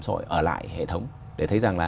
xã hội ở lại hệ thống để thấy rằng là